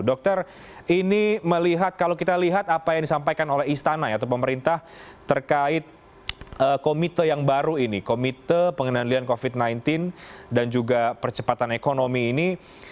dokter ini melihat kalau kita lihat apa yang disampaikan oleh istana atau pemerintah terkait komite yang baru ini komite pengenalian covid sembilan belas dan juga percepatan ekonomi ini